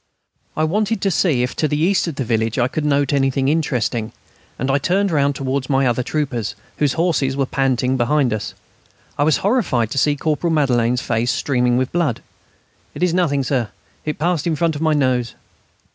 I wanted to see if to the east of the village I could note anything interesting, and I turned round towards my other troopers, whose horses were panting behind us. I was horrified to see Corporal Madelaine's face streaming with blood. "It is nothing, sir ...; it passed in front of my nose."